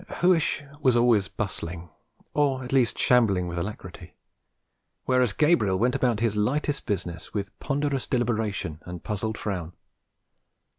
Huish was always bustling, or at least shambling with alacrity; whereas Gabriel went about his lightest business with ponderous deliberation and puzzled frown.